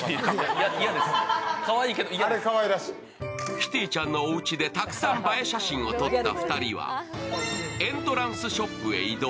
キティちゃんのおうちでたくさん映え写真を撮った２人はエントランスショップへ移動。